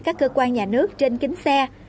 các cơ quan nhà nước trên kính xe